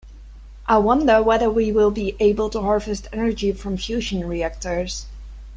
I wonder whether we will be able to harvest energy from fusion reactors.